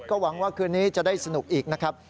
ก็หวังว่าคืนนี้จะได้สนุกอีกนะครับ